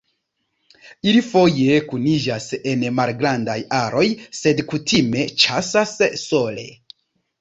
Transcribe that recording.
Ili foje kuniĝas en malgrandaj aroj sed kutime ĉasas sole.